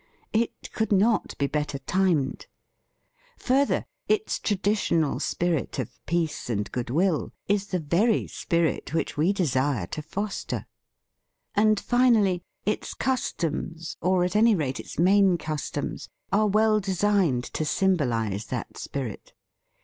It could not be better timed. Further, its tra ditional spirit of peace and goodwill is the very spirit which we desire to fos ter. And finally its customs — or at any rate, its main customs — are well designed to symbolize that spirit.